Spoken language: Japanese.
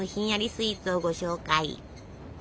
スイーツをご紹介！